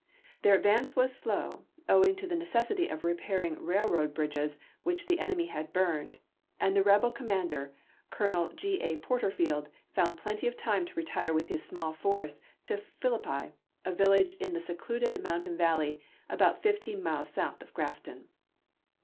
Their advance was slow, owing to the necessity of repairing railroad bridges which the enemy had burned ; and the rebel com mander. Colonel G. A. Porterfield, found plenty of time to retire with his small force to Philippi, a vil lage in a secluded mountain valley, about fifteen miles south of Grafton.